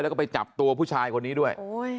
แล้วก็ไปจับตัวผู้ชายคนนี้ด้วย